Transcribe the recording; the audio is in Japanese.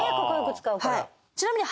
ここよく使うから。